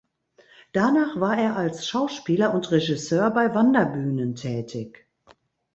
Danach war er als Schauspieler und Regisseur bei Wanderbühnen tätig.